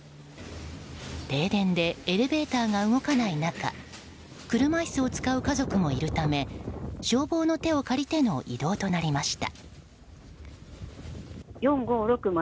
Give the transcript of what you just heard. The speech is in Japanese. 停電でエレベーターが動かない中車椅子を使う家族もいるため消防の手を借りての移動となりました。